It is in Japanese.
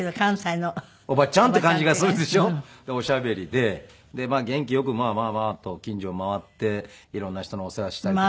で元気よくまあまあまあと近所を回って色んな人のお世話したりとか。